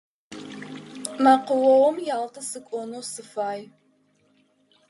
Мэкъуогъум Ялтэ сыкӏонэу сыфай.